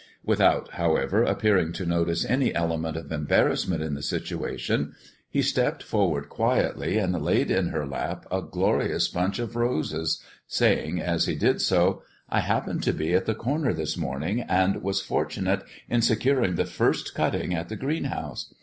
Without, however, appearing to notice any element of embarrassment in the situation, he stepped forward quietly and laid in her lap a glorious bunch of roses, saying, as he did so, "I happened to be at the Corner this morning, and was fortunate in securing the first cutting at the greenhouse.